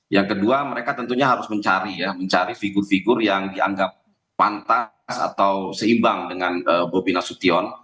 yang kedua mereka tentunya harus mencari ya mencari figur figur yang dianggap pantas atau seimbang dengan bobi nasution